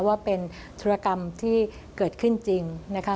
ว่าเป็นธุรกรรมที่เกิดขึ้นจริงนะคะ